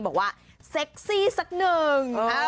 บอกว่าเซ็กซี่สักหนึ่ง